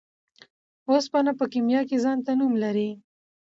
اوسپنه په کيميا کي ځانته نوم لري .